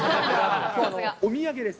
お土産です。